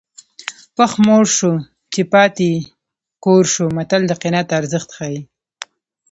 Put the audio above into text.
پښ موړ شو چې پاته یې کور شو متل د قناعت ارزښت ښيي